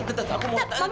tante aku mau tante